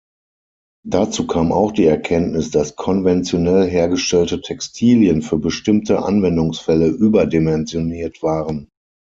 Dazu kam auch die Erkenntnis, dass konventionell hergestellte Textilien für bestimmte Anwendungsfälle überdimensioniert waren.